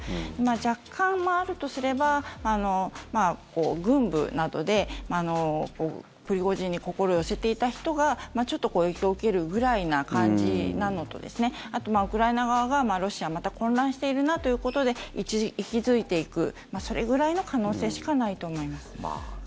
若干あるとすれば、軍部などでプリゴジンに心を寄せていた人がちょっと影響を受けるぐらいな感じなのとあとウクライナ側がロシア、また混乱しているなということで勢い付いていくそれぐらいの可能性しかないと思います。